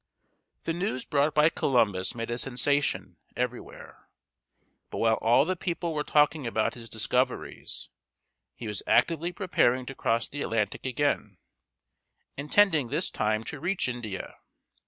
The news brought by Columbus made a sensation everywhere; but while all the people were talking about his discoveries, he was actively preparing to cross the Atlantic again, intending this time to reach India.